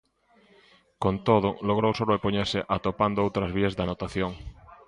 Con todo, logrou sobrepoñerse atopando outras vías de anotación.